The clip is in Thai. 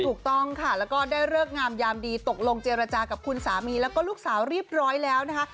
ถูกต้องค่ะแล้วก็ได้เลิกงามยามดีตกลงเจรจากับคุณสามีแล้วก็ลูกสาวเรียบร้อยแล้วนะคะ